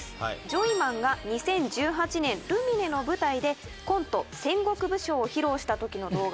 ジョイマンが２０１８年ルミネの舞台でコント「戦国武将」を披露した時の動画です。